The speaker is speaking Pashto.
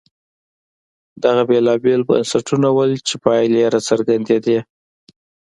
دغه بېلابېل بنسټونه وو چې پایلې یې راڅرګندېدې.